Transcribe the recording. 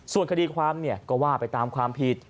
ส่วนคดีความก็ว่าไปตามความผิด